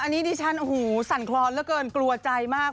อันนี้ดิฉันสั่นคล้อนแล้วเกินกลัวใจมาก